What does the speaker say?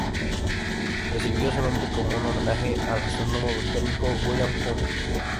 Recibió su nombre como un homenaje al astrónomo británico William Huggins.